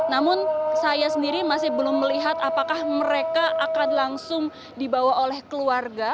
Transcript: namun saya sendiri masih belum melihat apakah mereka akan langsung dibawa oleh keluarga